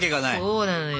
そうなのよ。